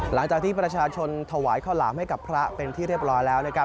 หลังจากที่ประชาชนถวายข้าวหลามให้กับพระเป็นที่เรียบร้อยแล้วนะครับ